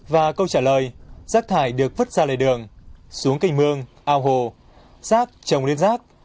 và câu trả lời rác thải được vứt ra lề đường xuống canh mương ao hồ rác trồng lên rác